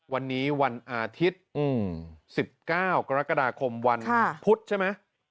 วันนี้วันอาทิตย์๑๙กรกฎาคมวันพุธใช่ไหม